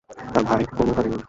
তার ভাই কোনও কাজের না।